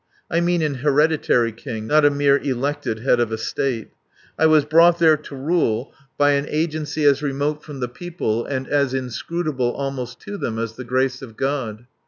I mean an hereditary king, not a mere elected head of a state. I was brought there to rule by an agency as remote from the people and as inscrutable almost to them as the Grace of God.